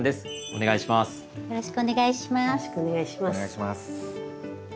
お願いします。